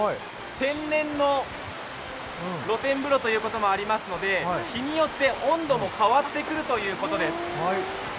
天然の露天風呂ということもありますので、日によって温度も変わってくるということです。